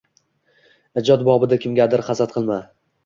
Ijod bobida kimgadir hasad qilma.